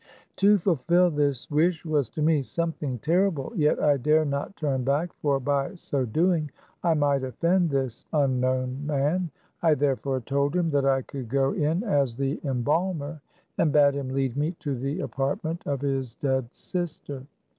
To fulfill this wish was to me something terrible ; yet I dare not turn back, for by so doing I might offend this unknown man. I THE CAB AVAN. 141 therefore told him that I could go in as the em balmer, and bade him lead me to the apartment of his dead sister.